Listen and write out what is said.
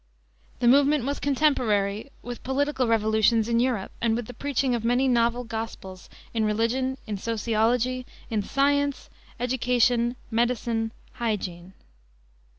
The movement was contemporary with political revolutions in Europe and with the preaching of many novel gospels in religion, in sociology, in science, education, medicine, and hygiene.